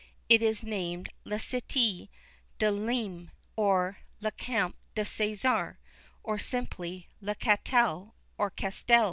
It is named 'La Cité de Limes,' or 'Le Camp de Cæsar,' or simply 'Le Catel' or 'Castel.'